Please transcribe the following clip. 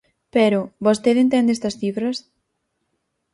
Pero ¿vostede entende estas cifras?